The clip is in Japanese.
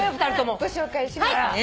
ご紹介しますね。